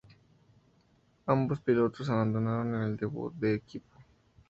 Ambos pilotos abandonaron en el debut del equipo.